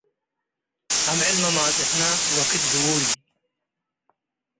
አምዕል መማጽእትነ ወክድ ግዉይ